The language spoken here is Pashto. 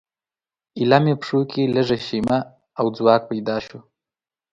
ایله مې پښو کې لږه شیمه او ځواک پیدا شو.